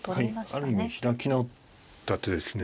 ある意味開き直った手ですね。